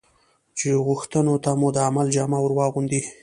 چې غوښتنو ته مو د عمل جامه ور واغوندي.